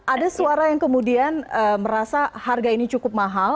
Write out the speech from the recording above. ada suara yang kemudian merasa harga ini cukup mahal